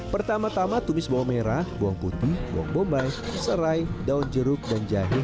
pertama tama tumis bawang merah bawang putih bawang bombay serai daun jeruk dan jagung